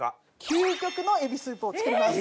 究極のエビスープを作ります。